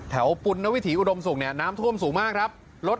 แถวปุ่นและวิถีอุดมสูงเนี่ยน้ำท่วมสูงมากครับ